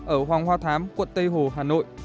ở hoàng hoa thám quận tây hồ hà nội